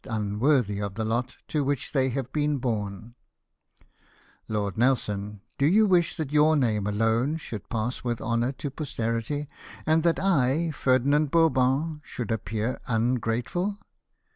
197 unworthy of the lot to which they have been born :— "Lord Nelson, do you wish that your name alone should pass with honour to posterity; and that I, Ferdinand Bourbon, should appear ungrateful